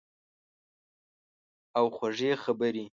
او خوږې خبرې